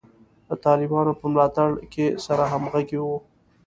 د طالبانو په ملاتړ کې سره همغږي وو.